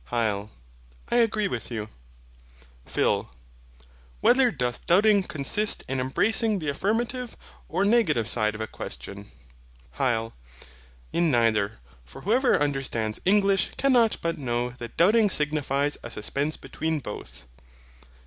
HYL. I agree with you. PHIL. Whether doth doubting consist in embracing the affirmative or negative side of a question? HYL. In neither; for whoever understands English cannot but know that DOUBTING signifies a suspense between both.